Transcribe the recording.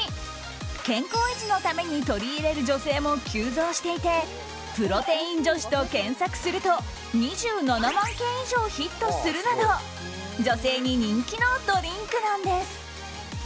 健康維持のために取り入れる女性も急増していてプロテイン女子と検索すると２７万件以上ヒットするなど女性に人気のドリンクなんです。